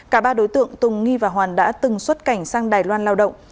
cả ba đối tượng tùng nghi và hoàn đã từng xuất cảnh sang đài loan lao động